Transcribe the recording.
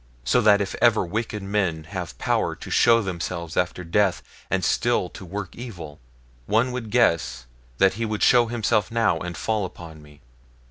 So that if ever wicked men have power to show themselves after death, and still to work evil, one would guess that he would show himself now and fall upon me.